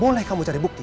boleh kamu cari bukti